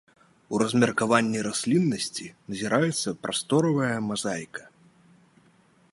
У размеркаванні расліннасці назіраецца прасторавая мазаіка.